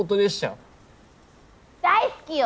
大好きよ！